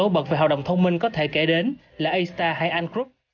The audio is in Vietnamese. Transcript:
bởi vì tốn quá nhiều cái chi phí